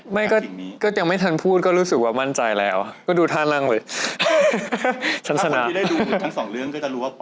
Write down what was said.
มันก็ต้องมีการแข่งขันอ่ะเนอะ